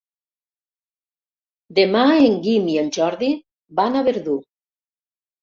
Demà en Guim i en Jordi van a Verdú.